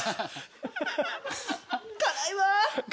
か辛いわ。